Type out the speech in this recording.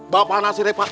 bapak nasi reva pak